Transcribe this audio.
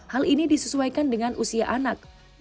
hal ini disesuaikan dengan usia anak